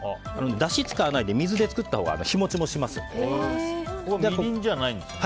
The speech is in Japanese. だしを使わないで水で作ったほうがみりんじゃないんですね。